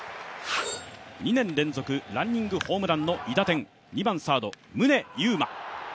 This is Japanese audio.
２年連続ランニングホームランの韋駄天、２番サード・宗佑磨。